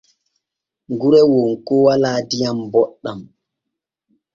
Gure Wonko walaa diyam booɗam.